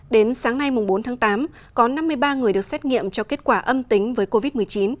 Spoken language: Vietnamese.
đến sáng nay bốn tháng tám có năm mươi ba người được xét nghiệm cho kết quả âm tính với covid một mươi chín